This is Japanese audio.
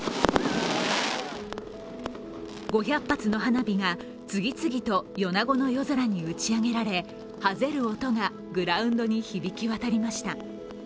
５００発の花火が次々と米子の夜空に打ち上げられはぜる音がグラウンドに響き渡りました。